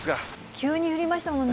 急に降りましたもんね。